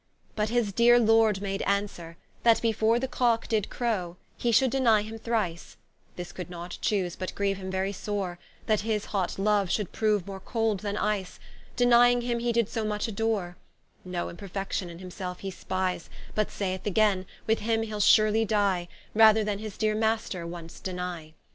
But his deare Lord made answere, That before The Cocke did crowe, he should deny him thrice; This could not choose but grieue him very sore, That his hot Loue should prooue more cold than Ice, Denying him he did so much adore; No imperfection in himselfe he spies, But saith againe, with him hee'l surely die, Rather than his deare Master once denie.